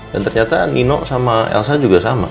dan ternyata nino sama elsa juga sama